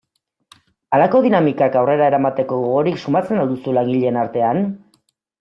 Halako dinamikak aurrera eramateko gogorik sumatzen al duzue langileen artean?